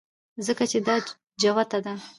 ځکه چې دا جوته ده